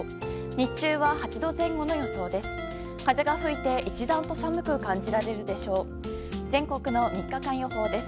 日中は８度前後の予想です。